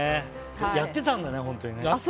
やってたんだね、本当に。